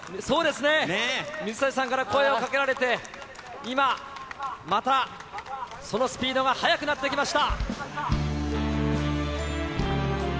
水谷さんから声をかけられて、今、またそのスピードが速くなってきました。